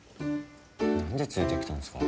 なんで連れてきたんですか。